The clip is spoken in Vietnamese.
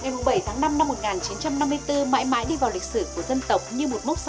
ngày bảy tháng năm năm một nghìn chín trăm năm mươi bốn mãi mãi đi vào lịch sử của dân tộc như một mốc so